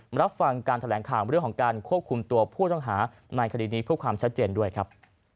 รับฟังการแถลงข่าวเรื่องของการควบคุมตัวผู้ต้องหาในคดีนี้เพื่อความชัดเจนด้วยครับ